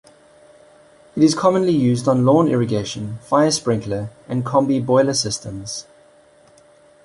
It is commonly used on lawn irrigation, fire sprinkler and combi-boiler systems.